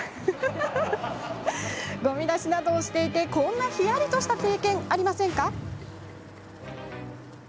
ごみ出しなどをしていてこんなひやり体験したことありませんか。